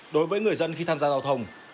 đối với người dân khi tham gia giao thông